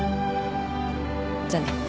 じゃあね。